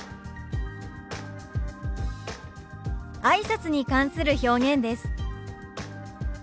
「あいさつ」に関する表現です。